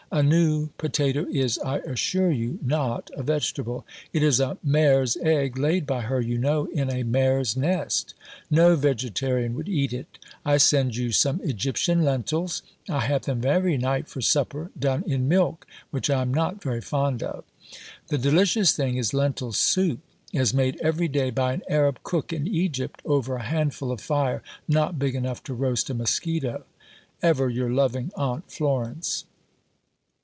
A new potato is, I assure you, not a vegetable. It is a mare's egg, laid by her, you know, in a "mare's nest." No vegetarian would eat it. I send you some Egyptian lentils. I have them every night for supper, done in milk, which I am not very fond of. The delicious thing is lentil soup, as made every day by an Arab cook in Egypt, over a handful of fire not big enough to roast a mosquito.... Ever your loving AUNT FLORENCE.